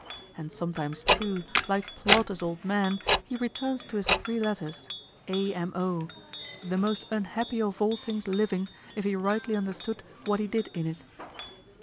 And sometimes too, like Plautus' old man, he returns to his three letters, A.M.O., the most unhappy of all things living, if he rightly understood what he did in it.